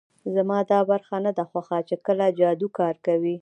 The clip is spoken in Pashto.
زما دا برخه نه ده خوښه چې کله جادو کار کوي